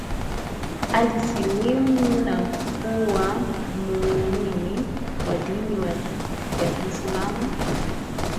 alisilimu na kuwa muumini wa dini ya kiislamu